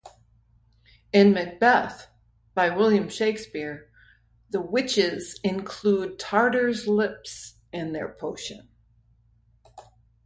In "Macbeth", by William Shakespeare, the witches include Tartars' lips in their potion.